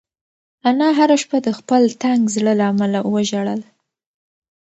انا هره شپه د خپل تنګ زړه له امله وژړل.